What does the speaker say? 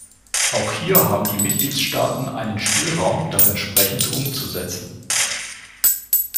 Auch hier haben die Mitgliedstaaten einen Spielraum, das entsprechend umzusetzen.